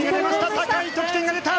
高い得点が出た！